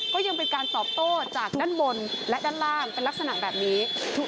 ก็ยังเป็นการตอบโต้จากด้านบนและด้านล่างเป็นลักษณะแบบนี้